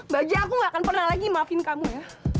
bagi aku gak akan pernah lagi maafin kamu ya